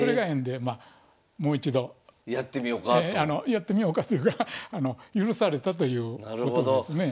やってみようかというか許されたということですね。